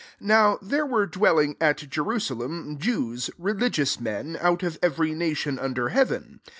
5 Now there were dwell ing at Jerusalem, Jews, religi ous men, out of every nation under heaven.